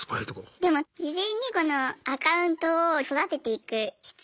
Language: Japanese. でも事前にこのアカウントを育てていく必要があって。